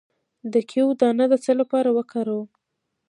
د کیوي دانه د څه لپاره وکاروم؟